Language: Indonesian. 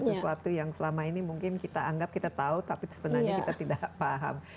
sesuatu yang selama ini mungkin kita anggap kita tahu tapi sebenarnya kita tidak paham